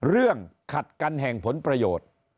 เรื่องขัดกันแห่งผลประโยชน์